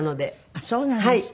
あっそうなんですか。